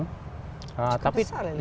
cukup besar ya lima ratus tiga puluh enam